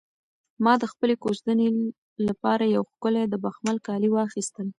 ما د خپلې کوژدنې لپاره یو ښکلی د بخمل کالي واخیستل.